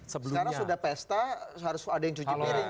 sekarang sudah pesta harus ada yang cuci piring